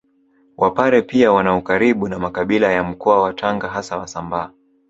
Wapare pia wana ukaribu na makabila ya mkoa wa Tanga hasa Wasambaa